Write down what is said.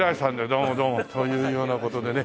どうもどうも。というような事でね。